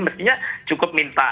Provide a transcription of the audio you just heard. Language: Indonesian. mestinya cukup minta